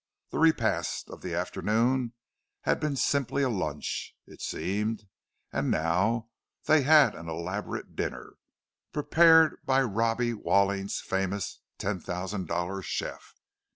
The repast of the afternoon had been simply a lunch, it seemed—and now they had an elaborate dinner, prepared by Robbie Walling's famous ten thousand dollar chef.